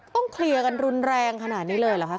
เคลียร์กันรุนแรงขนาดนี้เลยเหรอคะ